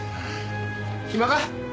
暇か？